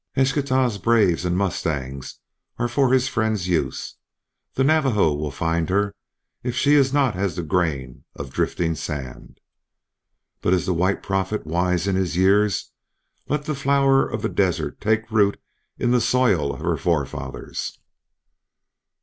"Eschtah's braves and mustangs are for his friend's use. The Navajo will find her if she is not as the grain of drifting sand. But is the White Prophet wise in his years? Let the Flower of the Desert take root in the soil of her forefathers."